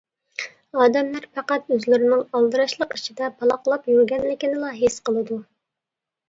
ئادەملەر پەقەت ئۆزلىرىنىڭ ئالدىراشلىق ئىچىدە پالاقلاپ يۈرگەنلىكىنىلا ھېس قىلىدۇ.